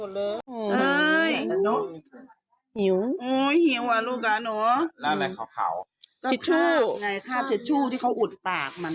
ดูค่ะจิชชู่ที่เขาอุดปากมา